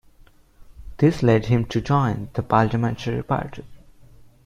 This led him to join the Parliamentary party.